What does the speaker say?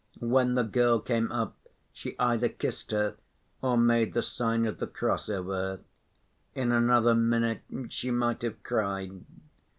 When the girl came up, she either kissed her, or made the sign of the cross over her. In another minute she might have cried.